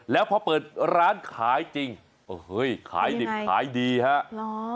แล้วพอเปิดร้านขายจริงขายดิบขายดีครับ